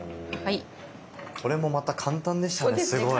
これもまた簡単でしたねすごい。